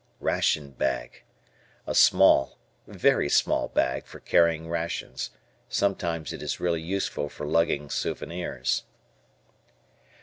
Ration Bag. A small, very small bag for carrying rations. Sometimes it is really useful for lugging souvenirs.